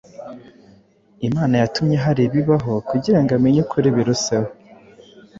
Imana yatumye hari ibibaho kugira ngo amenye ukuri biruseho.